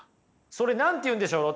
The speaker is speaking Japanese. それ何て言うんでしょう？